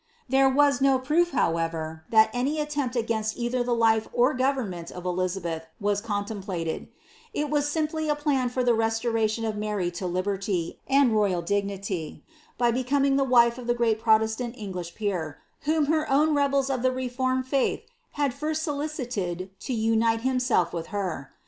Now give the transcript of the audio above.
There was no proof, however, that any attempt against either the life or government of Elizabeth was contemplated : it was simply a plan for the restoration of Mary to liberty, and royal dignity, by becoming the wife of the great Protestant English peer, whom her own rebels of the reformed faith had first solicited to unite himself with her.